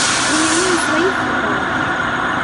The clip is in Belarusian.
У мяне і сваіх хапае!